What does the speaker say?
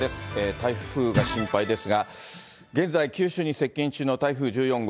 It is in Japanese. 台風が心配ですが、現在九州に接近中の台風１４号。